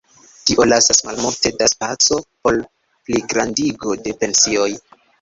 Tio lasas malmulte da spaco por pligrandigo de pensioj.